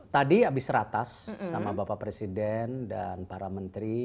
tadi habis ratas sama bapak presiden dan para menteri